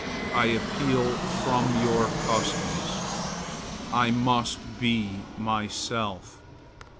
I appeal from your customs. I must be myself.